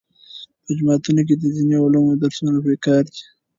په جوماتونو کې د دیني علومو درسونه پکار دي.